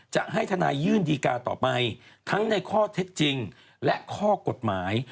จะให้ทนายยื่นดีการ์ต่อไปทั้งในข้อเท็จจริงและข้อกฎหมาย